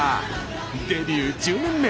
デビュー１０年目。